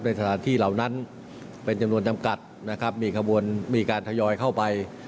ในสถานที่เหล่านั้นเป็นจำนวนจำกัดนะครับมีขบวนมีการทยอยเข้าไป